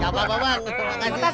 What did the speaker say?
siapa yang mau durable mohonmu